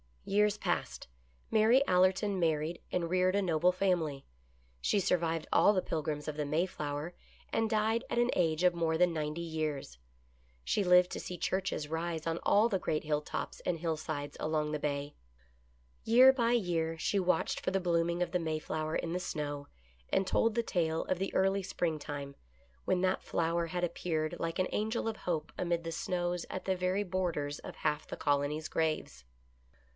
Years passed. Mary Allerton married and reared a noble family. She survived all the Pilgrims of the May flower and died at an age of more than ninety years. She lived to see churches rise on all the great hilltops and hillsides along the Bay. Year by year she watched for the blooming of the Mayflower in the snow, and told the tale of the early springtime — when that flower had appeared like an angel of hope amid the snows at the very borders of half the colony's graves.